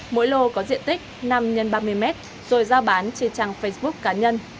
mỗi lô có diện tích năm x ba mươi mét rồi giao bán trên trang facebook cá nhân